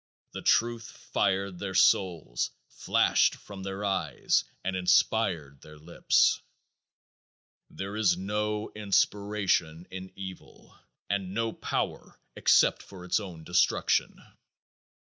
The truth fired their souls, flashed from their eyes, and inspired their lips. There is no inspiration in evil and no power except for its own destruction.